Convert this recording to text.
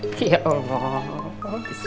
aduh mikrofonnya dimana sih